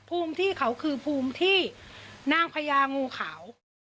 ภูมิที่เขาคือภูมิที่นางพญางูขาว